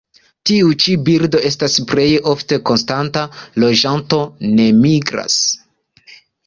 Tiu ĉi birdo estas plej ofte konstanta loĝanto; ne migras.